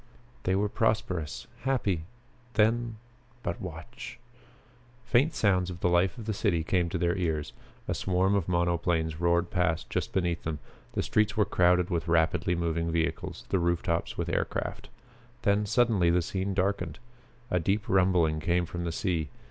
They were prosperous, happy. Then but watch!" Faint sounds of the life of the city came to their ears. A swarm of monoplanes roared past just beneath them. The streets were crowded with rapidly moving vehicles, the roof tops with air craft. Then suddenly the scene darkened; a deep rumbling came from the sea.